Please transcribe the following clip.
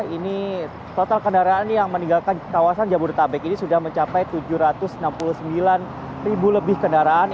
ini total kendaraan yang meninggalkan kawasan jabodetabek ini sudah mencapai tujuh ratus enam puluh sembilan ribu lebih kendaraan